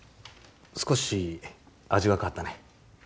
少し味が変わったね。